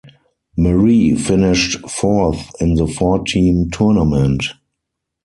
Marie finished fourth in the four team tournament.